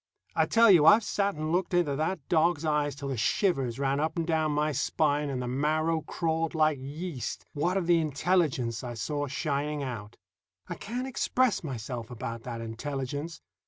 I tell you, I've sat and looked into that dog's eyes till the shivers ran up and down my spine and the marrow crawled like yeast, what of the intelligence I saw shining out. I can't express myself about that intelligence.